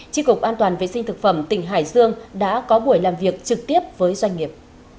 tri cục an toàn vệ sinh thực phẩm tỉnh hải dương đã có buổi làm việc trực tiếp với doanh nghiệp